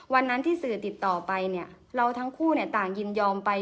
วันนั้นที่สื่อติดต่อไปเนี่ยเราทั้งคู่ต่างยินยอมไป